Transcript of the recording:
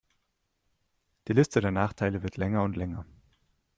Die Liste der Nachteile wird länger und länger.